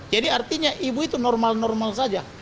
jadi artinya ibu itu normal normal saja